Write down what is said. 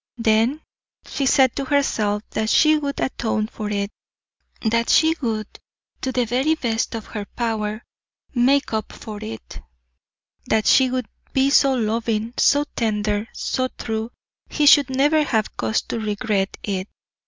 Then, she said to herself that she would atone for it, that she would to the very best of her power make up for it; that she would be so loving, so tender, so true, he should never have cause to regret it.